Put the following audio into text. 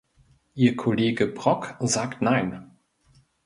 Ihr Kollege Brok sagt nein.